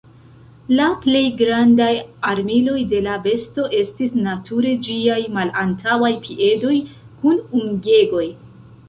La plej grandaj armiloj de la besto estis nature ĝiaj malantaŭaj piedoj kun ungegoj.